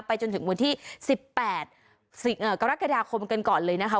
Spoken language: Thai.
จนถึงวันที่๑๘กรกฎาคมกันก่อนเลยนะคะ